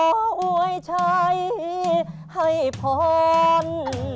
ขออวยชัยให้พ้น